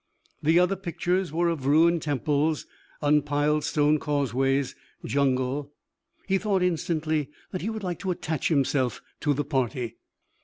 The other pictures were of ruined temples, unpiled stone causeways, jungle. He thought instantly that he would like to attach himself to the party.